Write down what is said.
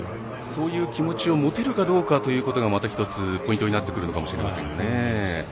そういう気持ちを持てるかどうかということがまた１つ、ポイントになってくるのかもしれませんね。